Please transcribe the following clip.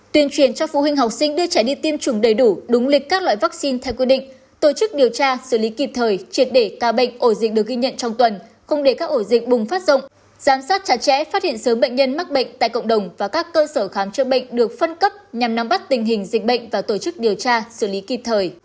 tuyên truyền cho phụ huynh học sinh đưa trẻ đi tiêm chủng đầy đủ đúng lịch các loại vaccine theo quy định tổ chức điều tra xử lý kịp thời triệt để ca bệnh ổ dịch được ghi nhận trong tuần không để các ổ dịch bùng phát rộng giám sát chặt chẽ phát hiện sớm bệnh nhân mắc bệnh tại cộng đồng và các cơ sở khám chữa bệnh được phân cấp nhằm nắm bắt tình hình dịch bệnh và tổ chức điều tra xử lý kịp thời